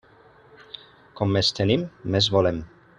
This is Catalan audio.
Com més tenim, més volem.